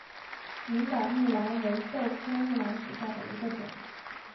敏感木蓝为豆科木蓝属下的一个种。